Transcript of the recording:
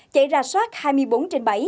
chạy ra soát hai mươi bốn trên bảy